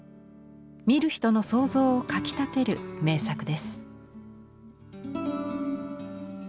見る人の想像をかきたてる名作です。